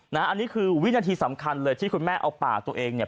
อันนี้คือวินาทีสำคัญเลยที่คุณแม่เอาปากตัวเองเนี่ย